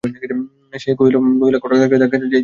সে কহিল, নলিনাক্ষ ডাক্তারকে ডাকিতে যাইতেছি।